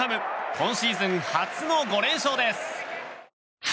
今シーズン初の５連勝です。